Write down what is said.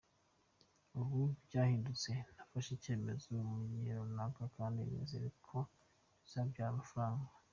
Ubu byahindutse, nafashe icyemezo mu gihe runaka kandi nizeye ko bizabyara amafaranga.